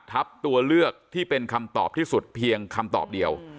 ทับตัวเลือกที่เป็นคำตอบที่สุดเพียงคำตอบเดียว